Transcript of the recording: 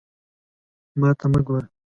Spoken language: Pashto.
ما ته مه ګوره!